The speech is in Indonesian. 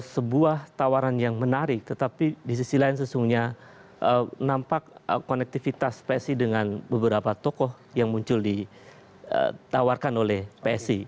sebuah tawaran yang menarik tetapi di sisi lain sesungguhnya nampak konektivitas psi dengan beberapa tokoh yang muncul ditawarkan oleh psi